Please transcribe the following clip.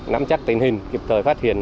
nắm chắc tình hình kịp thời phát hiện